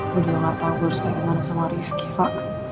gue juga gak tahu gue harus kemana mana sama rifki kak